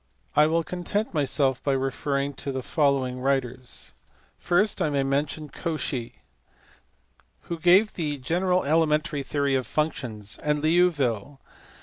I will content myself by referring to the following writers. First I may mention Cauchy (see below, p. 473) who gave the general elementary theory of functions, and Liouville (see above, p.